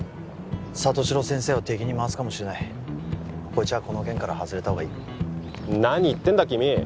里城先生を敵に回すかもしれない紘一はこの件から外れたほうがいい何言ってんだ君